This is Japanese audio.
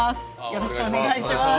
よろしくお願いします。